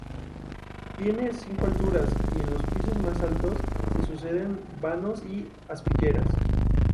Tiene cinco alturas y en los pisos más altos se suceden vanos y aspilleras.